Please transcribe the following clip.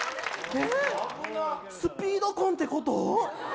スピード婚ってこと？